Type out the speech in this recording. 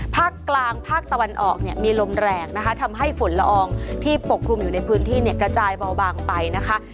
ภาคกลางภาคตะวันออกเนี่ยมีลมแรงนะคะทำให้ฝุ่นละอองที่ปกคลุมอยู่ในพื้นที่เนี่ยกระจายเบาบางไปนะคะ